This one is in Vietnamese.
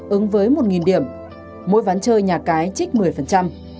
một trăm linh ứng với một điểm mỗi ván chơi nhà cái trích một mươi